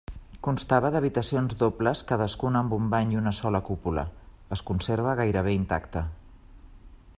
Constava d'habitacions dobles cadascuna amb un bany i una sola cúpula, es conserva gairebé intacte.